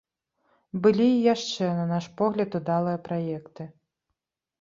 Былі і яшчэ, на наш погляд, удалыя праекты.